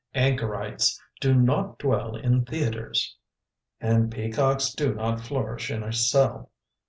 "Anchorites do not dwell in theatres"; and peacocks do not flourish in a cell.